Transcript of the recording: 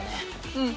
うん。